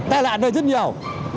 tai nạn ở đây rất nhiều